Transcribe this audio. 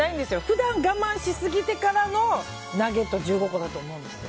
普段、我慢しすぎてからのナゲット１５個だと思います。